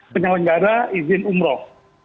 penyelenggara izin umroh